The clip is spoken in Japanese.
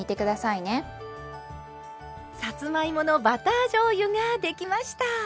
さつまいものバターじょうゆができました。